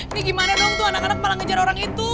ini gimana dong tuh anak anak malah ngejar orang itu